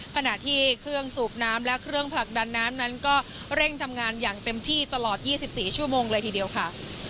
ขณะที่เครื่องสูบน้ำและเครื่องผลักดันน้ำนั้นก็เร่งทำงานอย่างเต็มที่ตลอด๒๔ชั่วโมงเลยทีเดียวค่ะ